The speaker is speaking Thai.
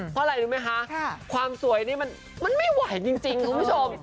เพราะอะไรรู้ไหมคะความสวยนี่มันไม่ไหวจริงคุณผู้ชม